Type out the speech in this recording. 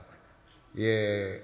「いえ。